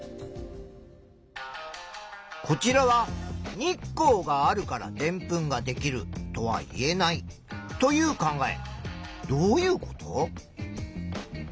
こちらは「日光があるからでんぷんができるとは言えない」という考え。